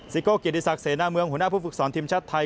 โก้เกียรติศักดิเสนาเมืองหัวหน้าผู้ฝึกสอนทีมชาติไทย